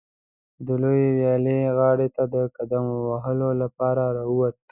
د لویې ویالې غاړې ته د قدم وهلو لپاره راووت.